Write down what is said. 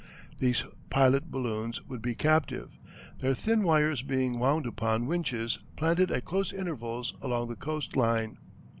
These pilot balloons would be captive, their thin wires being wound upon winches planted at close intervals along the coast line.